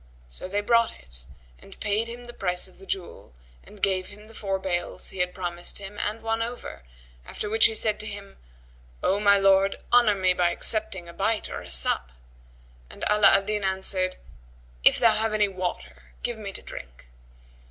So they brought it and he paid him the price of the jewel and gave him the four bales he had promised him and one over; after which he said to him, "O my lord, honour me by accepting a bite or a sup." And Ala al Din answered, "If thou have any water, give me to drink."